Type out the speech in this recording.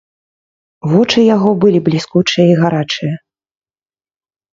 Вочы яго былі бліскучыя і гарачыя.